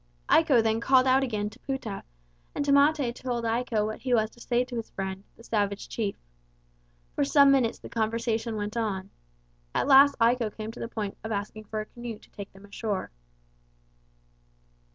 Iko then called out again to Pouta, and Tamate told Iko what he was to say to his friend, the savage chief. For some minutes the conversation went on. At last Iko came to the point of asking for a canoe to take them ashore.